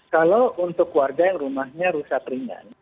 kalau untuk warga yang rumahnya rusak ringan